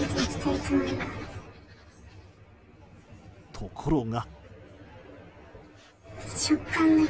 ところが。